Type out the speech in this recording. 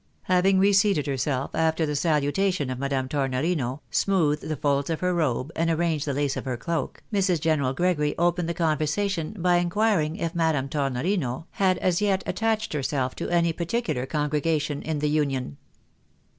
Having reseated herself after the salutation of Madame Tornorino, smoothed the folds of her robe, and arranged the lace of her cloak, Mrs. General Gregory opened the conversation by inquiring if Madame Tornorino had as yet attached herself to any particular congregation in the Union.